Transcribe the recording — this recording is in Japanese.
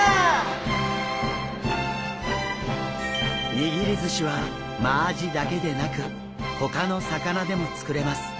握り寿司はマアジだけでなくほかの魚でも作れます。